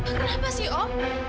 kenapa sih om